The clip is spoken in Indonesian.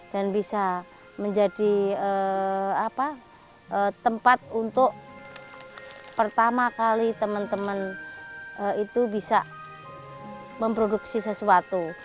dan bisa menjadi tempat untuk pertama kali teman teman itu bisa memproduksi sesuatu